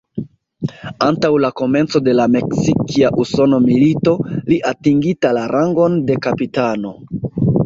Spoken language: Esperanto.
Antaŭ la komenco de la Meksikia-Usona Milito, li atingita la rangon de kapitano.